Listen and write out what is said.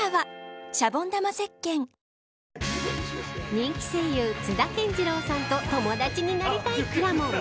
人気声優、津田健次郎さんと友達になりたいくらもん。